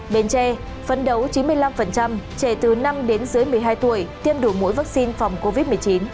bến tre phấn đấu chín mươi năm trẻ từ năm một mươi hai tuổi tiêm đủ mũi vaccine phòng covid một mươi chín